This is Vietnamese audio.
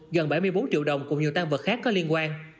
gần bảy mươi bốn triệu đồng cùng nhiều tăng vật khác có liên quan